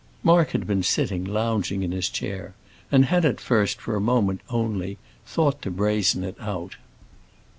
Mark had been sitting lounging in his chair, and had at first, for a moment only, thought to brazen it out.